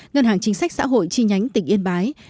ngân hàng chính sách xã hội chi nhánh tỉnh yên bái